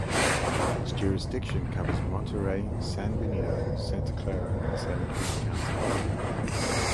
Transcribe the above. Its jurisdiction covers Monterey, San Benito, Santa Clara, and Santa Cruz Counties.